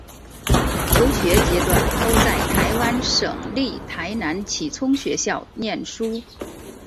求学阶段都在台湾省立台南启聪学校念书。